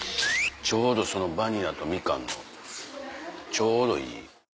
ちょうどそのバニラとみかんのちょうどいい。